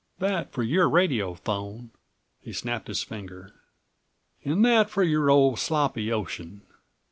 "That for your radiophone!" He snapped his finger. "And that for your old sloppy ocean!